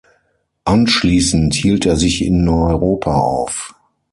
Anschließend hielt er sich in Europa auf.